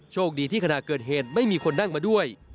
โชคดีที่ขณะเกิดเหตุไม่มีคนนั่งมาด้วย